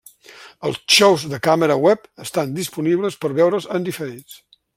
Els xous de càmera web estan disponibles per veure'ls en diferit.